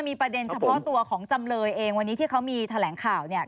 มีประเด็นเฉพาะตัวของจำเลยเองวันนี้ที่เขามีแถลงข่าวเนี่ย